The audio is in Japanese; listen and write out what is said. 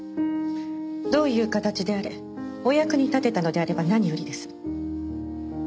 どういう形であれお役に立てたのであれば何よりです。